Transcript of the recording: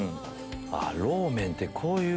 ローメンってこういう。